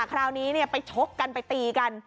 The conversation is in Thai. คราวนี้ไปชกกันไปตีกัน